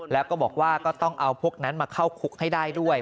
แล้วก็บอกว่าก็ต้องเอาพวกนั้นมาเข้าคุกให้ได้ด้วย